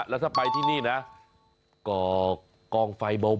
แล้วถ้าไปที่นี่นะก่อกองไฟเบา